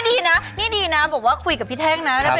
ดีนะนี่ดีนะบอกว่าคุยกับพี่แท่งนะ